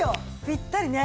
ぴったりね。